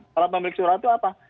para pemilik surat itu apa